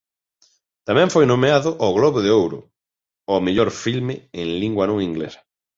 Tamén foi nomeado ó Globo de Ouro ó mellor filme en lingua non inglesa.